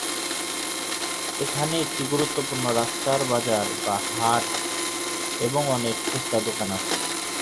এখানে একটি গুরুত্বপূর্ণ রাস্তার বাজার বা হাট এবং অনেক খুচরা দোকান আছে।